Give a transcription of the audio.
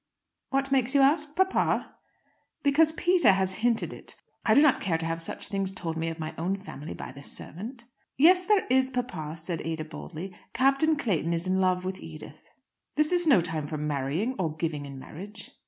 "What makes you ask, papa?" "Because Peter has hinted it. I do not care to have such things told me of my own family by the servant." "Yes, there is, papa," said Ada boldly. "Captain Clayton is in love with Edith." "This is no time for marrying or giving in marriage."